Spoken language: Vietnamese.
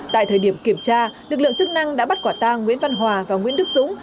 tại thời điểm kiểm tra lực lượng chức năng đã bắt quả tang nguyễn văn hòa và nguyễn đức dũng